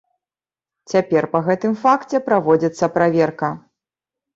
Цяпер па гэтым факце праводзіцца праверка.